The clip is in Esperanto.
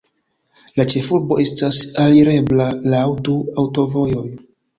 La ĉefurbo estas alirebla laŭ du aŭtovojoj.